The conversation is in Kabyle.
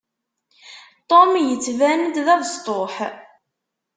Tom yettban-d d abesṭuḥ.